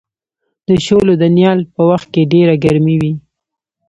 د شولو د نیال په وخت کې ډېره ګرمي وي.